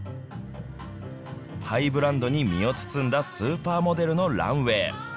ハイブランドに身を包んだスーパーモデルのランウエー。